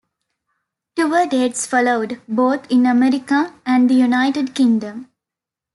Tour dates followed, both in America and the United Kingdom.